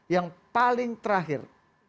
yang paling terakhir